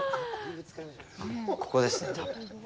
あっ、ここですね、多分。